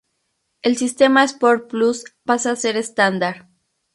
El sistema Sport Plus pasa a ser estándar.